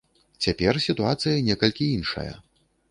Цяпер сітуацыя некалькі іншая.